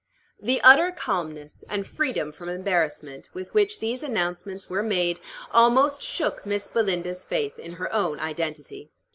The utter calmness, and freedom from embarrassment, with which these announcements were made, almost shook Miss Belinda's faith in her own identity.